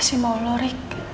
apa sih mau lo rick